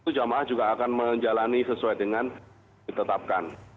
itu jamaah juga akan menjalani sesuai dengan ditetapkan